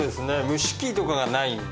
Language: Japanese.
蒸し器とかがないんで。